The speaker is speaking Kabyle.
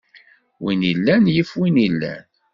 Win illan yif win ilan.